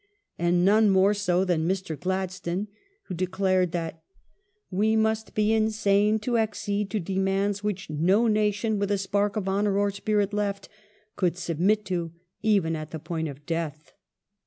And none more so than Mr. Gladstone, who declared that " we must be insane to accede to de mands which no nation with a spark of honour or spirit left could submit to even at the point of death